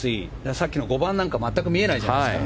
さっきの５番なんて全く見えないじゃないですか。